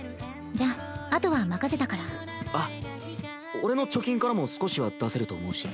俺の貯金からも少しは出せると思うし。